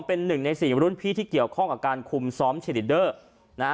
เป็นหนึ่งในสี่รุ่นพี่ที่เกี่ยวข้องกับการคุมซ้อมเชลิเดอร์นะฮะ